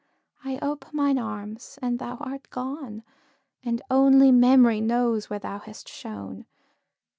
I ope mine arms, and thou art gone, And only Memory knows where thou hast shone.